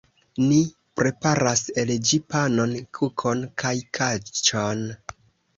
Ni preparas el ĝi panon, kukon kaj kaĉon.